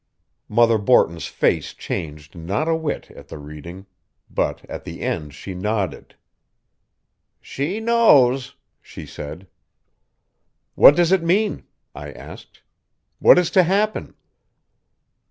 Mother Borton's face changed not a whit at the reading, but at the end she nodded. "She knows," she said. "What does it mean?" I asked. "What is to happen?"